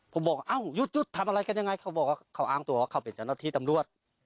ผมบอกเอ้าหยุดทำอะไรกันยังไงเขาบอกว่าเขาอ้างตัวว่าเขาเป็นเจ้าหน้าที่ตำรวจ